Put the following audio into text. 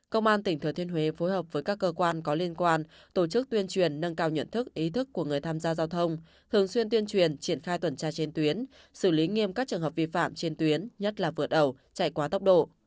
công an tỉnh thừa thiên huế phối hợp với các cơ quan có liên quan tổ chức tuyên truyền nâng cao nhận thức ý thức của người tham gia giao thông thường xuyên tuyên truyền triển khai tuần tra trên tuyến xử lý nghiêm các trường hợp vi phạm trên tuyến nhất là vượt ẩu chạy quá tốc độ